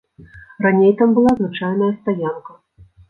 Раней там была звычайная стаянка.